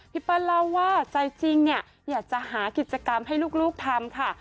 เปิ้ลเล่าว่าใจจริงเนี่ยอยากจะหากิจกรรมให้ลูกทำค่ะ